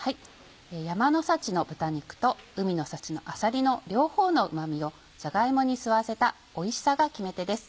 山の幸の豚肉と海の幸のあさりの両方のうまみをじゃが芋に吸わせたおいしさが決め手です